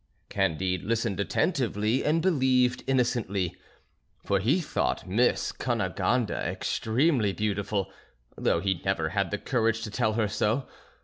Candide listened attentively and believed innocently; for he thought Miss Cunegonde extremely beautiful, though he never had the courage to tell her so.